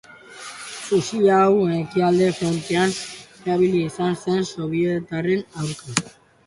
Fusil hau Ekialdeko Frontean erabili izan zen Sobietarren aurka.